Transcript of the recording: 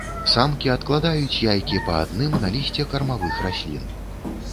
Самкі адкладаюць яйкі па адным на лісце кармавых раслін.